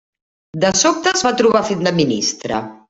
De sobte es va trobar fent de ministre.